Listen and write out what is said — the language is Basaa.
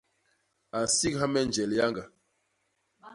A nsigha me njel yañga.